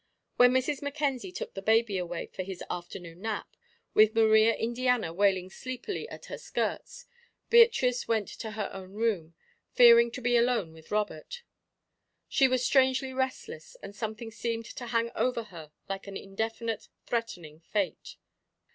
When Mrs. Mackenzie took the baby away for his afternoon nap, with Maria Indiana wailing sleepily at her skirts, Beatrice went to her own room, fearing to be alone with Robert. She was strangely restless, and something seemed to hang over her like an indefinite, threatening fate.